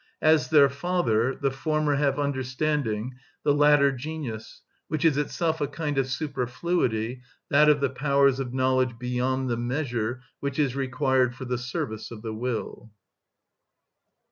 As their father, the former have understanding; the latter genius, which is itself a kind of superfluity, that of the powers of knowledge beyond the measure which is required for the service of the will.